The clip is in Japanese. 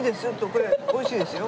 これ美味しいですよ。